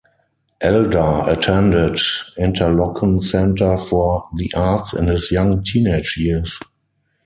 Eldar attended Interlochen Center for the Arts in his young teenage years.